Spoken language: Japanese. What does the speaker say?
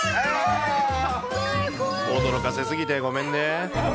驚かせすぎてごめんね。